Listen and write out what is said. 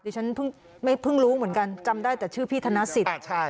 ฉันเพิ่งรู้เหมือนกันจำได้แต่ชื่อพี่ธนสิทธิ์